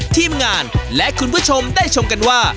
ทีมงานและคุณผู้ชมได้ชมกันว่า